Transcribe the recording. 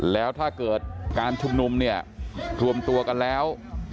แล้วถ้าเกิดการชุมนุมเนี่ยรวมตัวกันแล้ว